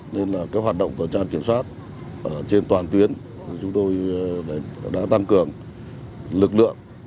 nên là cái hoạt động tòa trang kiểm soát trên toàn tuyến chúng tôi đã tăng cường lực lượng